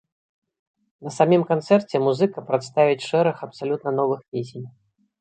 На самім канцэрце музыка прадставіць шэраг абсалютна новых песень.